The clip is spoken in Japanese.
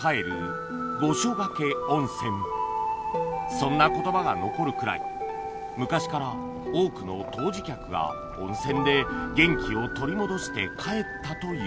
そんな言葉が残るくらい昔から多くの湯治客が温泉で元気を取り戻して帰ったという